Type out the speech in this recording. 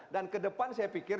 dan ke depan saya pikir